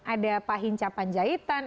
ada pak hinca panjaitan